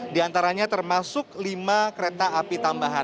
di antaranya termasuk lima kereta api tambahan